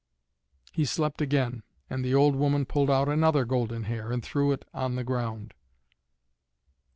He slept again, and the old woman pulled out another golden hair, and threw it on the ground.